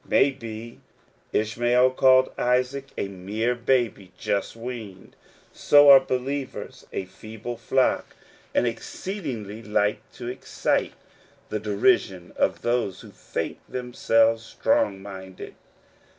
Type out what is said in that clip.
May be Ishmael called Isaac a mere baby, just weaned. So are believers a feeble folk, and exceedingly likely to excite the derision of those who think them selves strong minded.